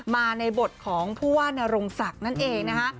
มาในบทของผู้ว่านรงศักดิ์นั่นเองนะคะ